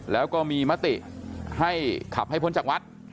แล้วก็มีมติให้ขับให้พ้นจากวัด